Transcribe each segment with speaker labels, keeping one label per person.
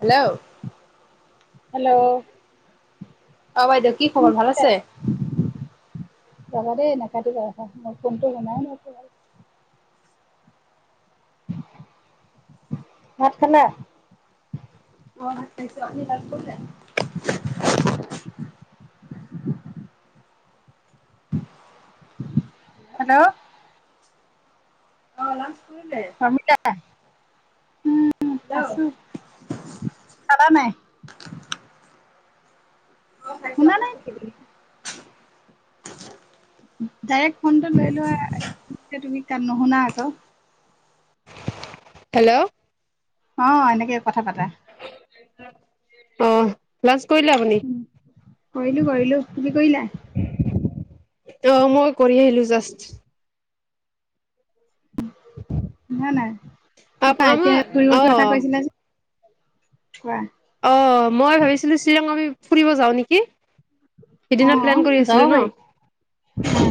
Speaker 1: Hello
Speaker 2: hello, অ
Speaker 1: অ', বাইদেউ কি খবৰ ভাল আছে?
Speaker 2: ৰবা দেই নাকাটিবা মই ফোনটো অনাই নাই, ভাত খালা?
Speaker 1: নিশ্চয় আপুনি ভাত খাইছে?
Speaker 2: হেল্ল', অ, [unintelligible] উম, আছো খালা নাই? শুনা নাই? ডাইৰেক্ট ফোনটো লৈ লোৱা তুমি তাত নুশুনা আকৌ।
Speaker 1: হেল্ল'অ,
Speaker 2: অহ, এনেকে কথা পাতা।
Speaker 1: লাঞ্চ কৰিলে আপুনি?
Speaker 2: কৰিলো- কৰিলো, তুমি কৰিলা?
Speaker 1: অ মই কৰি আহিলো জাষ্ট [inaudible]
Speaker 2: নাই নাই
Speaker 1: আপ
Speaker 2: কতা এতিয়া
Speaker 1: আমাৰ
Speaker 2: ঘূৰিব
Speaker 1: অ
Speaker 2: যোৱা কথা কৈছিলা যে কোৱা
Speaker 1: অ মই ভাবিছিলো চিলঙ বোলি [unintelligible] ফুৰিব যাও নেকি
Speaker 2: অ
Speaker 1: সিদিনা প্লেন কৰি
Speaker 2: যাব
Speaker 1: আছিলো ন
Speaker 2: পাৰি উম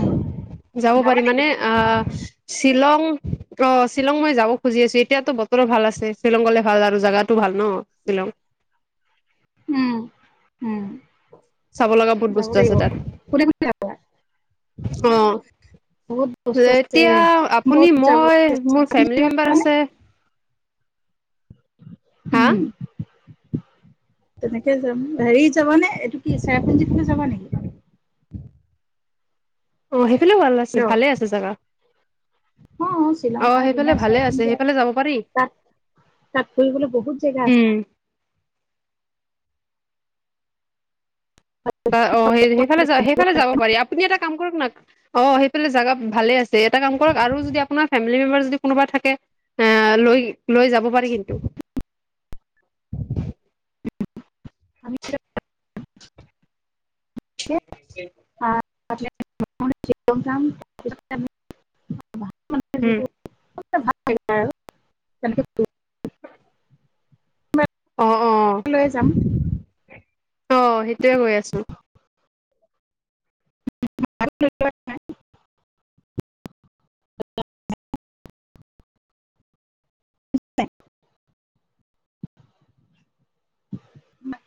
Speaker 1: যাব
Speaker 2: যাবা
Speaker 1: পাৰি
Speaker 2: নেকি
Speaker 1: মানে আহ শ্বিলং অ শ্বিলং মই যাব খুজি আছো এতিয়াতো বতৰো ভাল আছে শ্বিলং গলে ভাল আৰু জোগাতটো ভাল [unintelligible] ন শ্বিলং
Speaker 2: উম উম
Speaker 1: চাব লগা বহুত
Speaker 2: যাব
Speaker 1: বস্তু
Speaker 2: লাগিব
Speaker 1: আছে তাত
Speaker 2: কোনে
Speaker 1: অঁঃ
Speaker 2: বহুত বস্তু আছে
Speaker 1: এতিয়া আপুনি
Speaker 2: বহুত যাব
Speaker 1: মই মোৰ ফেমিলি মেম্বাৰ
Speaker 2: যাবানে
Speaker 1: আছে
Speaker 2: [inaudible]
Speaker 1: হা?
Speaker 2: উম তেনেকে যাম ধৰি তাৰ মানে এইটো কি চেৰাপুঞ্জী ফালে যাবা নেকি
Speaker 1: অ হে সেইফালে ভাল আছে
Speaker 2: হেল্ল'
Speaker 1: ভালে আছে জোগা
Speaker 2: অ শ্বিলং
Speaker 1: অ
Speaker 2: পাহাৰ
Speaker 1: সেইফালে
Speaker 2: ধুনীয়া
Speaker 1: ভালে আছে
Speaker 2: চেৰাপুঞ্জী আৰু
Speaker 1: সেইফালে যাব পাৰি
Speaker 2: তাত তাত ফুৰিবলৈ বহুত জেগা
Speaker 1: উ
Speaker 2: আছে
Speaker 1: [unintelligible] অ সেই সেইফালে সেইফালে যাব পাৰি আপুনি এটা কাম কৰক না অ সেইফালে জগা ভালে আছে এটা কাম কৰক না আৰু যদি আপোনাৰ ফেমিলি মেম্বাৰ যদি কোনোবা থাকে আহ লৈ লৈ যাব পাৰি কিন্তু
Speaker 2: আমি কি অ [inaudible]
Speaker 1: উ
Speaker 2: ভাল লাগ আৰু তেনেকে [unintelligible]
Speaker 1: অ অ
Speaker 2: লৈ
Speaker 1: অ সেইটোয়ে গৈ আছো
Speaker 2: [inaudible] [inaudible] মাকে